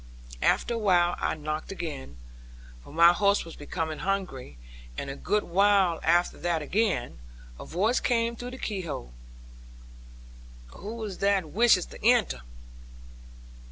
After a while I knocked again, for my horse was becoming hungry; and a good while after that again, a voice came through the key hole, 'Who is that wishes to enter?'